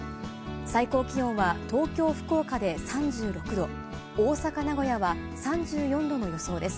最高気温は東京、福岡で３６度、大阪、名古屋は３４度の予想です。